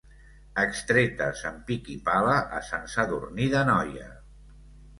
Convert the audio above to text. Extretes amb pic i pala a Sant Sadurní d'Anoia.